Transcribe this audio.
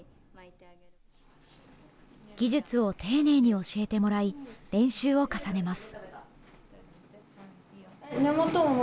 技術を丁寧に教えてもらい練習を重ねます。